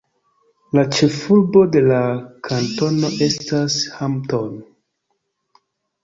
La ĉefurbo de la kantono estas Hampton.